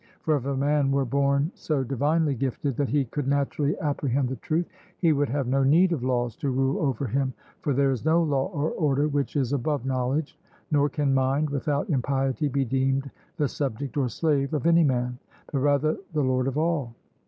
For if a man were born so divinely gifted that he could naturally apprehend the truth, he would have no need of laws to rule over him; for there is no law or order which is above knowledge, nor can mind, without impiety, be deemed the subject or slave of any man, but rather the lord of all.